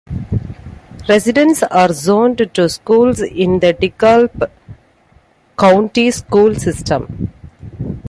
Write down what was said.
Residents are zoned to schools in the DeKalb County School System.